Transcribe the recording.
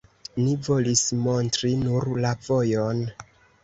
Ni volis montri nur la vojon.